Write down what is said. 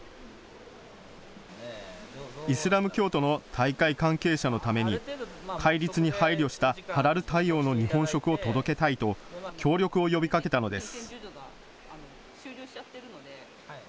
イスラム教徒の大会関係者のために戒律に配慮したハラル対応の日本食を届けたいと協力を呼びかけたのです。